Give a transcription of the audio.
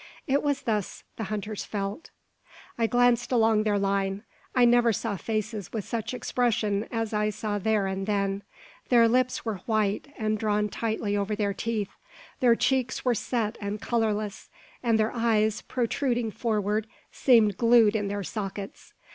It was thus the hunters felt. I glanced along their line. I never saw faces with such expressions as I saw there and then. Their lips were white, and drawn tightly over their teeth; their cheeks were set and colourless; and their eyes, protruding forward, seemed glued in their sockets.